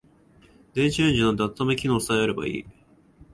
電子レンジなんて温め機能さえあればいい